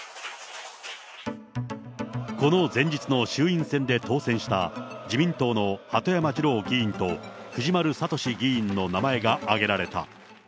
この前日の衆院選で当選した自民党の鳩山二郎議員と、藤丸敏議員の名前が挙げられた。